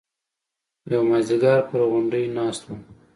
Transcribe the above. يو مازديگر پر غونډۍ ناست وم.